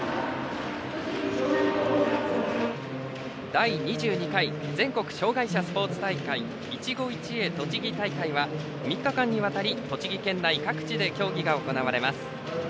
第２２回全国障害者スポーツ大会「いちご一会とちぎ大会」は３日間にわたり栃木県内各地で競技が行われます。